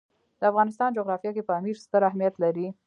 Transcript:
د افغانستان جغرافیه کې پامیر ستر اهمیت لري.